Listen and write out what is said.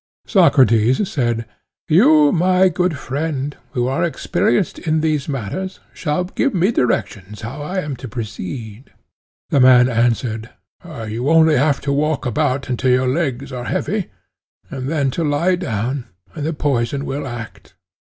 Socrates said: You, my good friend, who are experienced in these matters, shall give me directions how I am to proceed. The man answered: You have only to walk about until your legs are heavy, and then to lie down, and the poison will act.